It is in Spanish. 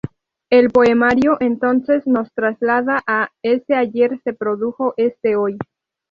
El poemario "Entonces" nos traslada a "ese ayer que produjo este hoy.